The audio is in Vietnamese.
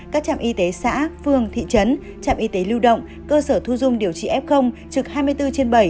các trạm y tế xã phương thị trấn trạm y tế lưu động cơ sở thu dung điều trị f trực hai mươi bốn trên bảy